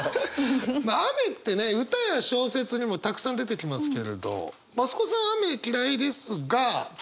雨ってね歌や小説にもたくさん出てきますけれど増子さん雨嫌いですが歌詞で使うことあるんですか？